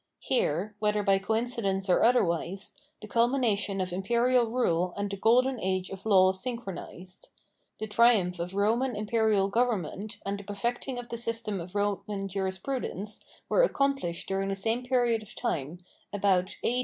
Here, whether by coincidence or otherwise, the culmination of imperial rule and the " golden age " of law synchronised. The triumph of Roman imperial government and the perfecting of the system of Roman jurisprudence were accomplished during the same period of time, about A.